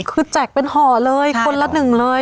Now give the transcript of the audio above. คือแจกเป็นห่อเลยคนละหนึ่งเลย